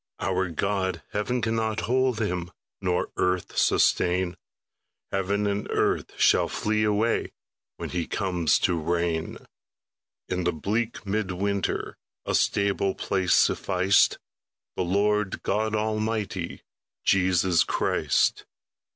Our God, heaven cannot hold Him, Nor earth sustain; Heaven and earth shall flee away When He comes to reign: In the bleak mid winter A stable place sufficed The Lord God Almighty, Jesus Christ.